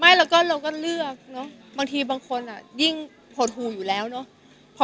ไม่แล้วก็เราก็เลือกเนอะบางทีบางคนยิ่งหดหูอยู่แล้วเนอะ